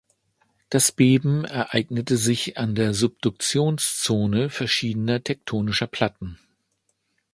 Das Beben ereignete sich an der Subduktionszone verschiedener tektonischer Platten.